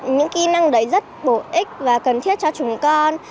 những kỹ năng đấy rất bổ ích và cần thiết cho chúng con